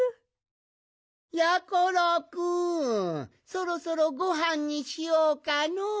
そろそろごはんにしようかの。